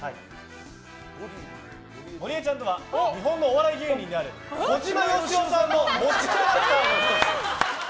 ゴリエちゃんとは日本のお笑い芸人である小島よしおさんの持ちキャラクターの１つ。